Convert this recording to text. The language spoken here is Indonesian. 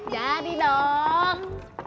ya di dalam